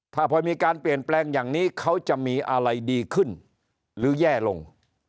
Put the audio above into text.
ถ้าพอมีการเปลี่ยนแปลงอย่างนี้เขาจะมีอะไรดีขึ้นหรือแย่ลง